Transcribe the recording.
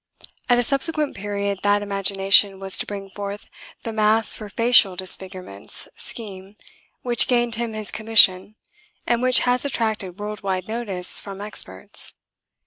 At a subsequent period that imagination was to bring forth the masks for facial disfigurements scheme which gained him his commission and which has attracted world wide notice from experts.